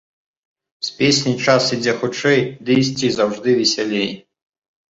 З песняй час ідзе хутчэй ды і ісці заўжды весялей.